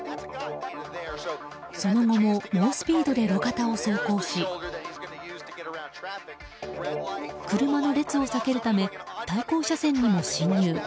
その後も猛スピードで路肩を走行し車の列を避けるため対向車線に進入。